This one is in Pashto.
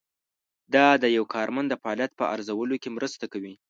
دا د یو کارمند د فعالیت په ارزولو کې مرسته کوي.